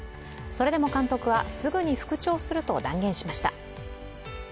それでも監督は、すぐに復調すると断言しました。